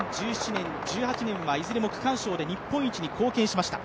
２０１７年、２０１８年はいずれも区間賞で貢献しました。